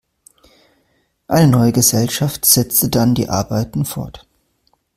Eine neue Gesellschaft setzte dann die Arbeiten fort.